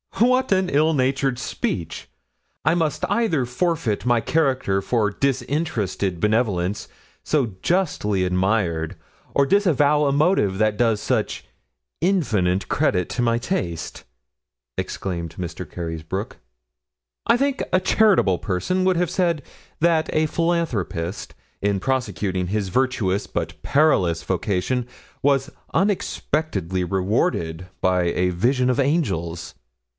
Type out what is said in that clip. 'What an ill natured speech! I must either forfeit my character for disinterested benevolence, so justly admired, or disavow a motive that does such infinite credit to my taste,' exclaimed Mr. Carysbroke. 'I think a charitable person would have said that a philanthropist, in prosecuting his virtuous, but perilous vocation, was unexpectedly rewarded by a vision of angels.'